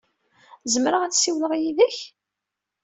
Zemreɣ ad ssiwleɣ yid-k?